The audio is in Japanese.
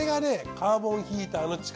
カーボンヒーターの力